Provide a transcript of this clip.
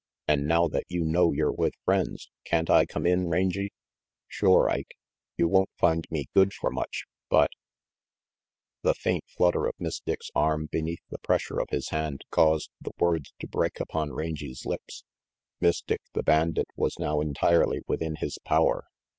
An' now that you know yer with friends, can't I come in, Rangy?" "Shore, Ike. You won't find me good for much, but' The faint flutter of Miss Dick's arm beneath the pressure of his hand caused the words to break upon Rangy's lips. Mass Dick, the bandit, was now entirely within his power.